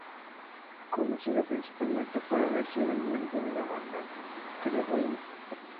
Conocido principalmente por haber sido miembro de la banda Trivium.